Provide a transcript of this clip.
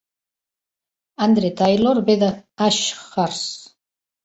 Andre Taylor ve d'Ashhurst.